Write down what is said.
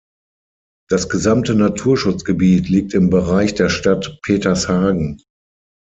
Das gesamte Naturschutzgebiet liegt im Bereich der Stadt Petershagen.